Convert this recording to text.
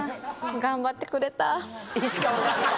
頑張ってくれた。